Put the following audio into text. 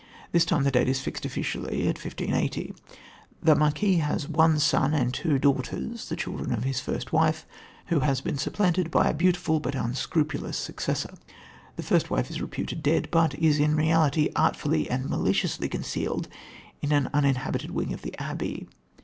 This time the date is fixed officially at 1580. The Marquis has one son and two daughters, the children of his first wife, who has been supplanted by a beautiful but unscrupulous successor. The first wife is reputed dead, but is, in reality, artfully and maliciously concealed in an uninhabited wing of the abbey.